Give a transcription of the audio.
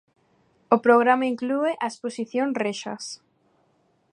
O programa inclúe a exposición Rexas.